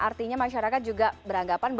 artinya masyarakat juga berhasil menolaknya